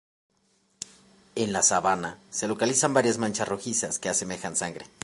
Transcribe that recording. En la sábana se localizan varias manchas rojizas que asemejan sangre.